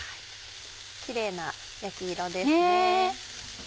キレイな焼き色ですね。